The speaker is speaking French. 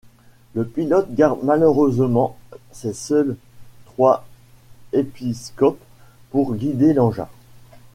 Le pilote garde malheureusement ses seuls trois épiscopes pour guider l'engin.